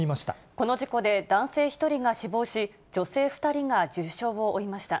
この事故で男性１人が死亡し、女性２人が重傷を負いました。